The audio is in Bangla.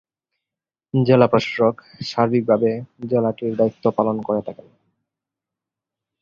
জেলা প্রশাসক সার্বিকভাবে জেলাটির দায়িত্ব পালন করে থাকেন।